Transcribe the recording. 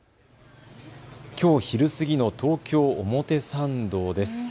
きょう昼過ぎの東京表参道です。